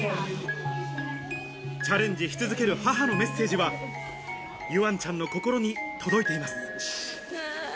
チャレンジし続ける母のメッセージは、桜音ちゃんの心に届いています。